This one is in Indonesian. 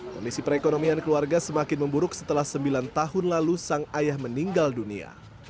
kondisi perekonomian keluarga semakin memburuk setelah sembilan tahun lalu sang ayah meninggal dunia